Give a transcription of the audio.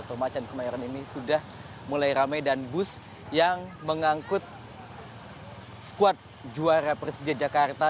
atau macan kemayoran ini sudah mulai ramai dan bus yang mengangkut skuad juara persija jakarta